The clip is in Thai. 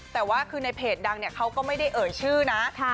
แต่ว่าคือในเพจดังเขาก็ไม่ได้เอ่ยชื่อนะ